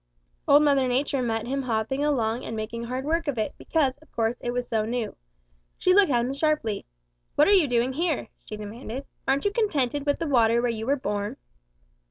"Old Mother Nature met him hopping along and making hard work of it because, of course, it was so new. She looked at him sharply. 'What are you doing here?' she demanded. 'Aren't you contented with the water where you were born?'